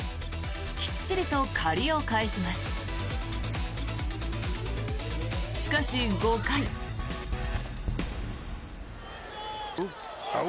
きっちりと借りを返します。